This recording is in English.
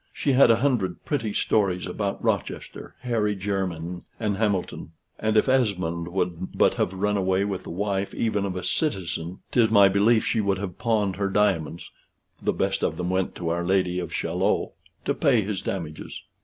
She had a hundred pretty stories about Rochester, Harry Jermyn, and Hamilton; and if Esmond would but have run away with the wife even of a citizen, 'tis my belief she would have pawned her diamonds (the best of them went to our Lady of Chaillot) to pay his damages.